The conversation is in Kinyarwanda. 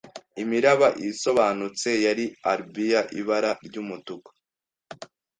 Imiraba isobanutse ya Arbia ibara ry'umutuku